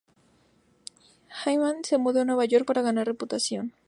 Hyman se mudó a Nueva York para ganar reputación.